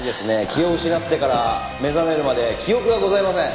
気を失ってから目覚めるまで記憶がございません。